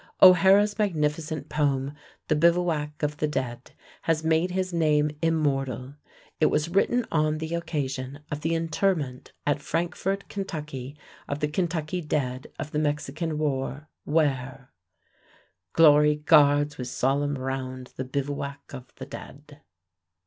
O'Hara's magnificent poem, "The Bivouac of the Dead," has made his name immortal. It was written on the occasion of the interment at Frankfort, Ky., of the Kentucky dead of the Mexican War, where "Glory guards with solemn round The bivouac of the dead."